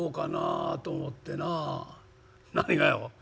「何がよ」。